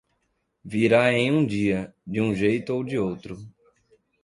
Virá em um dia, de um jeito ou de outro.